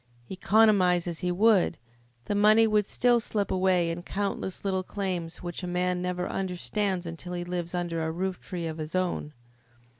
Economise as he would, the money would still slip away in the countless little claims which a man never understands until he lives under a rooftree of his own.